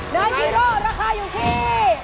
นายฮีโร่ราคาอยู่ที่